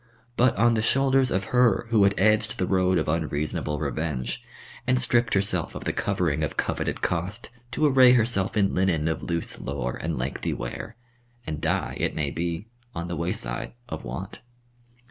But on the shoulders of her who had edged the road of unreasonable revenge, and stripped herself of the covering of coveted cost to array herself in linen of loose lore and lengthy wear, and die, it may be, on the wayside of want.